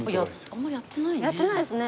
あんまりやってないね。